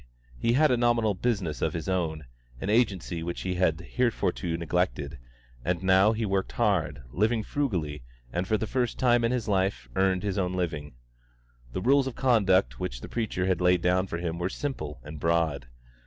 He had a nominal business of his own, an agency which he had heretofore neglected, and now he worked hard, living frugally, and for the first time in his life earned his own living. The rules of conduct which the preacher had laid down for him were simple and broad.